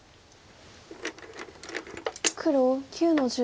黒９の十三。